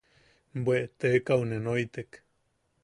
–Bwe teekau ne noitek.